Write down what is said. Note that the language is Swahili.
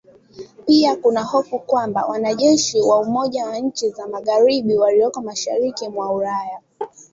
Pia kuna hofu kwamba wanajeshi wa umoja wa nchi za magharibi walioko mashariki mwa Ulaya